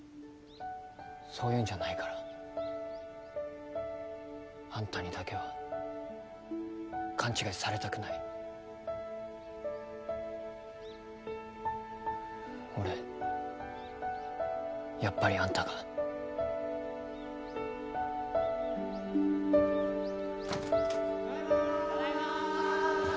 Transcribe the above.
そういうんじゃないからあんたにだけは勘違いされたくない俺やっぱりあんたがただいま！